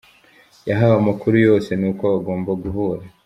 Yahawe amakuru yose n’uko bagomba guhura.